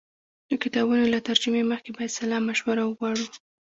د کتابونو له ترجمې مخکې باید سلا مشوره وغواړو.